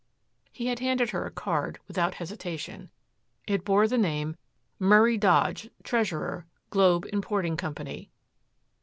He had handed her a card without hesitation. It bore the name, "Murray Dodge, Treasurer, Globe Importing Company."